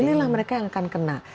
pilihlah mereka yang akan kena